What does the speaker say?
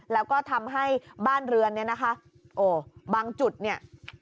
แล้วก็ทำให้บ้านเรือนเนี่ยนะคะโอ้บางจุดเนี่ย